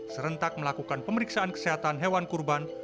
serentak melakukan pemeriksaan kesehatan hewan kurban